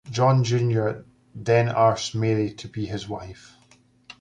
John Junior then asks Mary to be his wife.